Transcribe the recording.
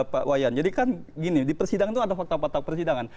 pak wayan jadi kan gini di persidangan itu ada fakta fakta persidangan